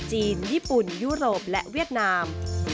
จีนญี่ปุ่นยุโรปและเวียดนาม